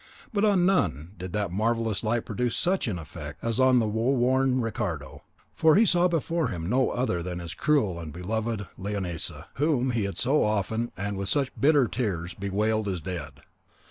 But on none did that marvellous light produce such an effect as on the woe worn Ricardo, for he saw before him no other than his cruel and beloved Leonisa, whom he had so often and with such bitter tears bewailed as dead.